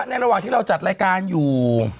ระหว่างที่เราจัดรายการอยู่